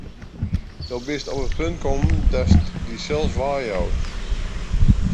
No bist op it punt kommen, datst dysels weijoust.